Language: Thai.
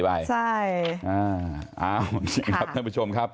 เอานี่ครับท่านผู้ชมครับ